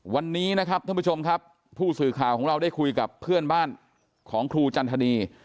วันนี้นะครับท่านผู้ชมครับผู้สื่อข่าวของเราได้คุยกับเพื่อนบ้านของครูจันทนี